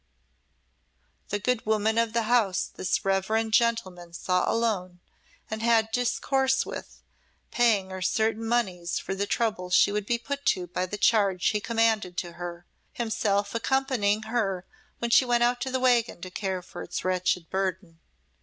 The good woman of the house this reverend gentleman saw alone and had discourse with, paying her certain moneys for the trouble she would be put to by the charge he commanded to her, himself accompanying her when she went out to the wagon to care for its wretched burden.